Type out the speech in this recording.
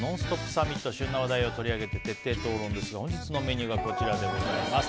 サミット旬な話題を取り上げて徹底討論ですが本日のメニューがこちらです。